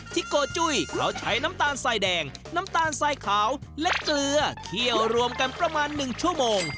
โกจุ้ยเขาใช้น้ำตาลสายแดงน้ำตาลสายขาวและเกลือเคี่ยวรวมกันประมาณ๑ชั่วโมง